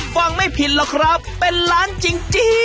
ฟังไม่ผิดหรอกครับเป็นล้านจริง